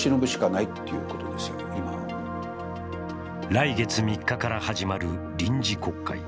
来月３日から始まる臨時国会。